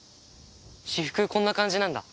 私服こんな感じなんだ。